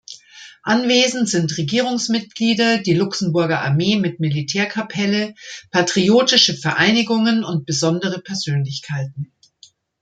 Anwesend sind Regierungsmitglieder, die Luxemburger Armee mit Militärkapelle, patriotische Vereinigungen und besondere Persönlichkeiten.